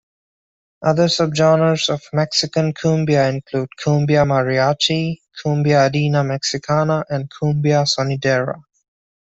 Other subgenres of Mexican cumbia include Cumbia Mariachi, Cumbia Andina Mexicana, and Cumbia Sonidera.